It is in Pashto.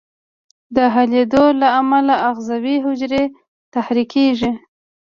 د حلېدو له امله آخذوي حجرې تحریکیږي.